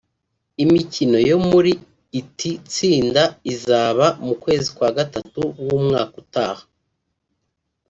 Imikino yo muri iti tsinda izaba mu kwezi kwa Gatatu w’umwaka utaha